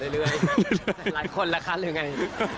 เรื่อยหลายคนแหละคะหรือยังไง